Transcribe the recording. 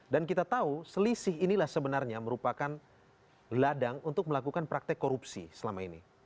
dan kita tahu selisih inilah sebenarnya merupakan ladang untuk melakukan praktek korupsi selama ini